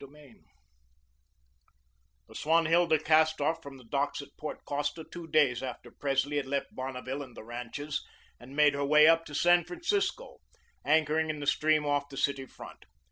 CONCLUSION The "Swanhilda" cast off from the docks at Port Costa two days after Presley had left Bonneville and the ranches and made her way up to San Francisco, anchoring in the stream off the City front.